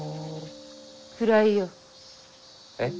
暗いよ。えっ？